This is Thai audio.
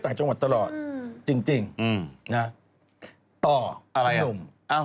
เขาเล่นเลือดแต่งงานไปปีหน้า